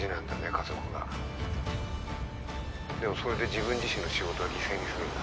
家族が☎でもそれで自分自身の仕事は犠牲にするんだ？